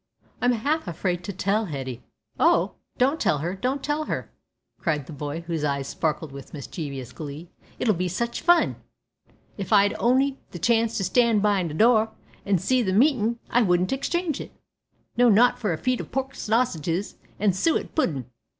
I'm half afraid to tell Hetty." "Oh! don't tell her don't tell her," cried the boy, whose eyes sparkled with mischievous glee. "It'll be sich fun! If I 'ad on'y the chance to stand be'ind a door an' see the meetin' I wouldn't exchange it no not for a feed of pork sassengers an' suet pud'n.